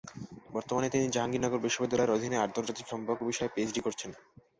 বর্তমানে তিনি জাহাঙ্গীরনগর বিশ্ববিদ্যালয়ের অধীনে আন্তর্জাতিক সম্পর্ক বিষয়ে পিএইচডি করছেন।